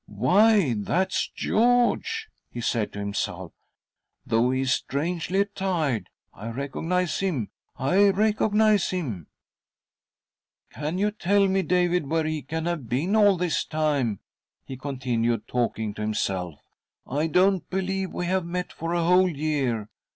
" Why, that's George," he said to himself " Though he is strangely attired, I recognise him — I recognise him !"" Can you tell me, David, where he can have been all this time?" he continued, talking to himself. " I don't believe we have met for a whole year.